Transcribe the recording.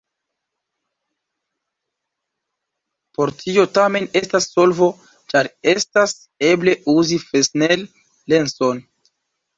Por tio tamen estas solvo, ĉar estas eble uzi Fresnel-lenson.